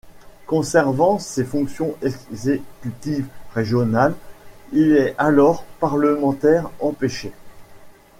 Conservant ses fonctions exécutives régionales, il est alors parlementaire empêché.